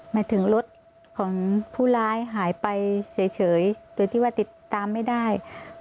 หมายถึงรถของผู้ร้ายหายไปเฉยโดยที่ว่าติดตามไม่ได้